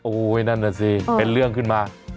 โอ้โหนั่นน่ะสิเป็นเรื่องขึ้นมา